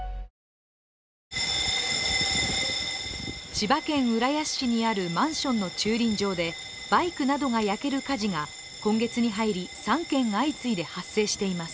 千葉県浦安市にあるマンションの駐輪場でバイクなどが焼ける火事が、今月に入り３件相次いで発生しています。